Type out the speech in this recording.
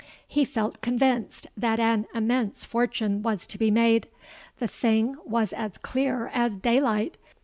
He felt convinced that an immense fortune was to be made: the thing was as clear as day light!